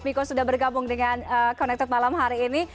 miko sudah bergabung dengan connected malam hari ini